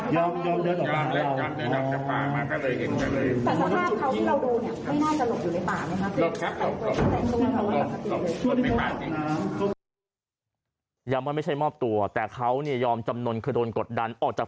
ยำว่าไม่ใช่มอบตัวแต่เขายอมจำนนคือโดนกดบาปออกจาก